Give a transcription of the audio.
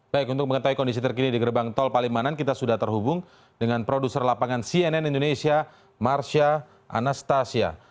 baik untuk mengetahui kondisi terkini di gerbang tol palimanan kita sudah terhubung dengan produser lapangan cnn indonesia marsha anastasia